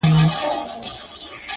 • دا کتاب ختم سو نور؛ یو بل کتاب راکه؛